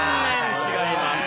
違います。